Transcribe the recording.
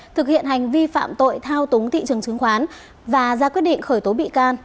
thực hiện hành vi phạm tội thao túng thị trường chứng khoán và ra quyết định khởi tố bị can